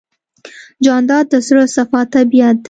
جانداد د زړه صاف طبیعت دی.